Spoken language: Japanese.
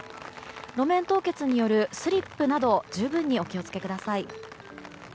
路面凍結によるスリップなど十分にお気を付けください。